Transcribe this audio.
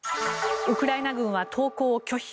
ウクライナ軍は投降を拒否。